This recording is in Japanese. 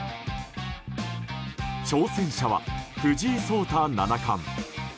挑戦者は、藤井聡太七冠。